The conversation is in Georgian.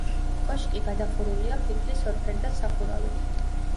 კოშკი გადახურულია ფიქლის ორფერდა სახურავით.